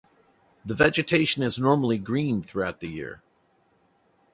The vegetation is normally green throughout the year.